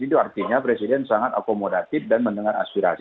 itu artinya presiden sangat akomodatif dan mendengar aspirasi